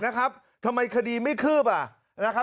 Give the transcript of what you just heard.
นะครับทำไมคดีไม่คืบอ่ะ